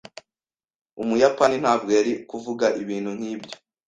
Umuyapani ntabwo yari kuvuga ibintu nkibyo.